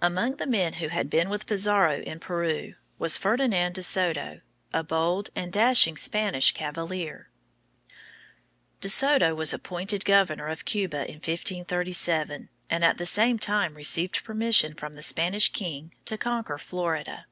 Among the men who had been with Pizarro in Peru was Ferdinand de Soto, a bold and dashing Spanish cavalier. [Illustration: Ferdinand de Soto.] De Soto was appointed governor of Cuba in 1537, and at the same time received permission from the Spanish king to conquer Florida.